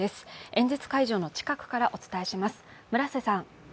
演説会場の近くからお伝えします。